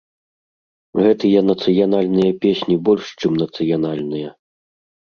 Гэтыя нацыянальныя песні больш, чым нацыянальныя.